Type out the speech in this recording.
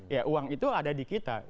ya uang itu ada di kita